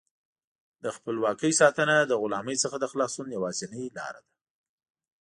د خپلواکۍ ساتنه له غلامۍ څخه د خلاصون یوازینۍ لاره ده.